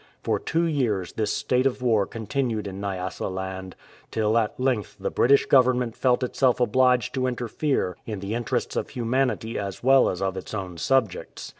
For two years this state of war continued in Nyasaland, till at length the British Government felt itself obliged to interfere in the interests of humanity as well as of its own subjects.